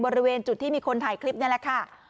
บริเวณจุดที่มีคนถ่ายคลิปนี่แหละค่ะ